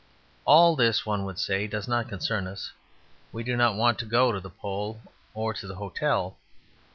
All this, one would say, does not concern us. We do not want to go to the Pole or to the hotel.